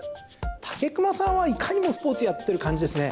武隈さん、いかにもスポーツやってる感じですね。